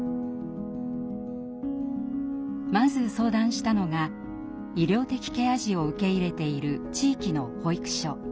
まず相談したのが医療的ケア児を受け入れている地域の保育所。